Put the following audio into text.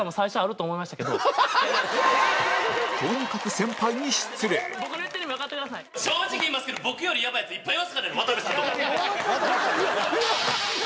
とにかく正直言いますけど僕よりやばいヤツいっぱいいますからね！